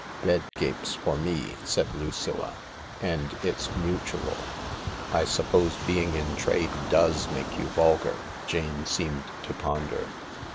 "Bed gapes for me," said Lucilla, "and it's mutual.' " I suppose being in trade does make you vulgar." Jane seemed to ponder.